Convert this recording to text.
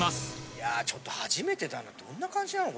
いやちょっと初めてだなどんな感じなの？